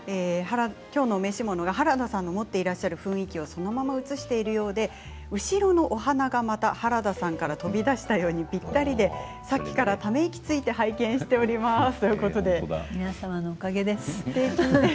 今日のお召し物は原田さんの持ってらっしゃる雰囲気をそのまま写しているようで後ろのお花がまた原田さんから飛び出したようにぴったりでさっきからため息をついて拝見しておりますということで皆様のおかげです。